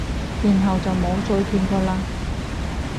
然後就冇再見過喇？